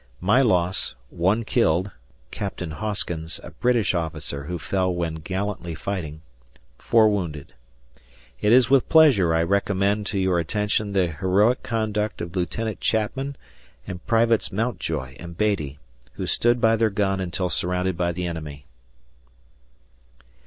My loss, one killed Captain Hoskins, a British officer who fell when gallantly fighting, four wounded. It is with pleasure I recommend to your attention the heroic conduct of Lieutenant Chapman and Privates Mountjoy and Beattie, who stood by their gun until surrounded by the enemy.